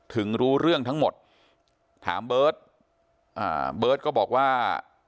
ถึงรู้เรื่องทั้งหมดถามเบิร์ตอ่าเบิร์ตเบิร์ตก็บอกว่า